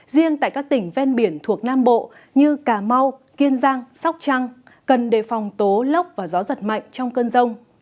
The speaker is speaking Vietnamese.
riêng tại các tỉnh ven biển thuộc nam bộ như cà mau kiên giang sóc trăng cần đề phòng tố lốc và gió giật mạnh trong cơn rông